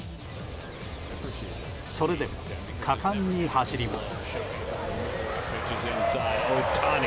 それでも果敢に走ります。